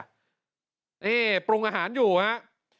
นี่ปรุงอาหารอยู่ครับ